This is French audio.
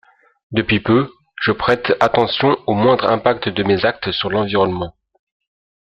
Depuis peu, je prête attention au moindre impact de mes actes sur l’environnement.